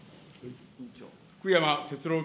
福山哲郎